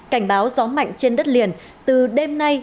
cảnh báo gió mạnh trên đất liền từ đêm nay đến ngày hai mươi tháng một mươi hai